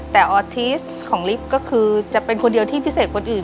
แต่ออทิสของลิฟต์ก็คือจะเป็นคนเดียวที่พิเศษคนอื่น